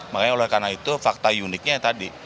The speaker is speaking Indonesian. makanya oleh karena itu fakta uniknya tadi